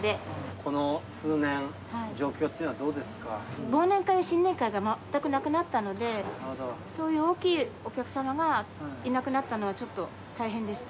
この数年、状況っていうのは忘年会、新年会が全くなくなったので、そういう大きいお客様がいなくなったのはちょっと大変でした。